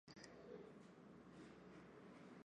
انګریزي ایجنټان او امریکایي تکنوکراتان درې چارکه وو.